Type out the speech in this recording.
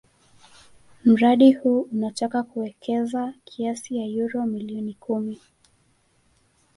Mradi huu unataka kuwekeza kiasi ya euro milioni kumi